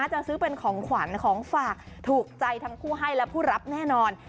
จะซื้อเป็นของขวัญของฝากถูกใจทั้งผู้ให้และผู้รับแน่นอน